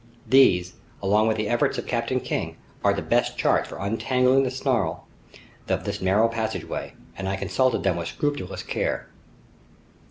These, along with the efforts of Captain King, are the best charts for untangling the snarl of this narrow passageway, and I consulted them with scrupulous care.